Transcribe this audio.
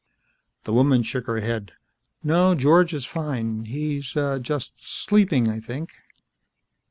The woman shook her head. "No, George is fine. He's just sleeping, I think."